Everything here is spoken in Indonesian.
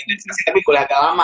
tapi gue lihatnya lama